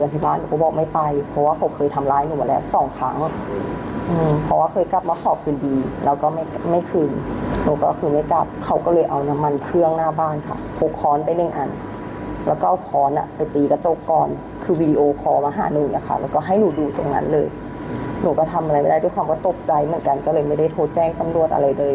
ถ้าทำอะไรไม่ได้เพราะว่าตกใจเหมือนกันก็เลยไม่ได้โทรแจ้งตำรวจอะไรเลย